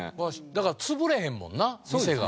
だから潰れへんもんな店が。